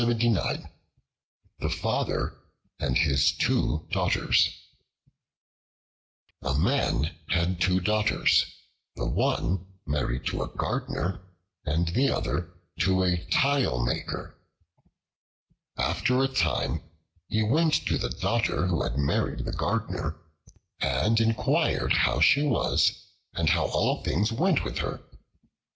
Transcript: The Father and His Two Daughters A MAN had two daughters, the one married to a gardener, and the other to a tile maker. After a time he went to the daughter who had married the gardener, and inquired how she was and how all things went with her.